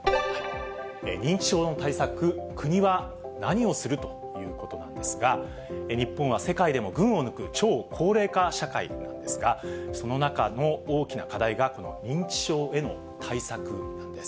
認知症の対策、国は何をする？ということなんですが、日本は世界でも群を抜く超高齢化社会なんですが、その中の大きな課題が、この認知症への対策です。